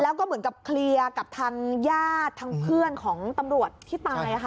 แล้วก็เหมือนกับเคลียร์กับทางญาติทางเพื่อนของตำรวจที่ตายค่ะ